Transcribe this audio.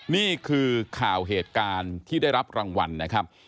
นี่คือข่าวเหตุการณ์ที่ได้รับรางวัลนะครับ